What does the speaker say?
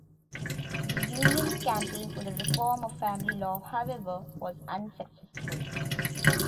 The union's campaign for the reform of family law, however, was unsuccessful.